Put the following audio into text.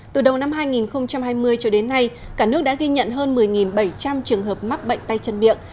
từ đầu năm hai nghìn hai mươi cho đến nay cả nước đã ghi nhận hơn một mươi bảy trăm linh trường hợp mắc bệnh tay chân miệng